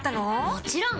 もちろん！